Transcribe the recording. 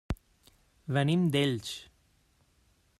Venim d'Elx.